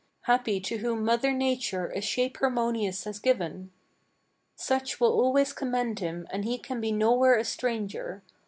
Happy to whom mother Nature a shape harmonious has given! "Such will always commend him, and he can be nowhere a stranger.